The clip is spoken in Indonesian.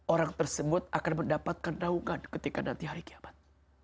orang tersebut akan mendapatkan naungan ketika nanti hari kiamat